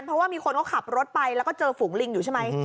เพราะว่ามีคนเขาขับรถไปแล้วก็เจอฝูงลิงอยู่ใช่ไหม